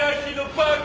バカ！